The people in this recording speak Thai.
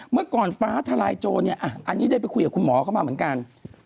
เมื่อก่อนฟ้าทลายโจรเนี่ยอันนี้ได้ไปคุยกับคุณหมอเข้ามาเหมือนกัน